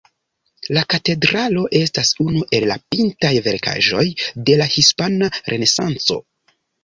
La katedralo estas unu el la pintaj verkaĵoj de la hispana renesanco.